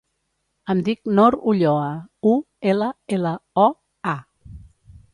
Em dic Nor Ulloa: u, ela, ela, o, a.